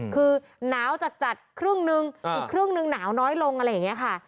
คือหนาวจัดครึ่งนึงอีกครึ่งนึงหนาวน้อยลงอะไรอย่างนี้ค่ะ